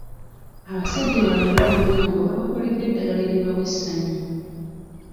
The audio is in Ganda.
Abasajja baluyongoyongo baabakoledde eddagala eribawa essanyu.